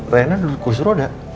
rena duduk di kursi roda